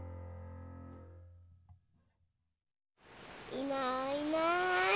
いないいない。